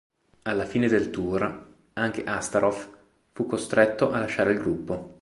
Alla fine del tour, anche Astaroth fu costretto a lasciare il gruppo.